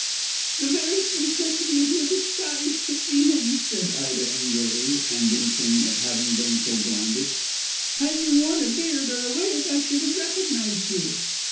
"The very simplicity of your disguise took me in," said Ida angrily and wincing at having been so blinded. "Had you worn a beard or a wig I should have recognised you."